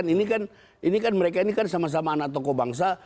ini kan mereka ini kan sama sama anak tokoh bangsa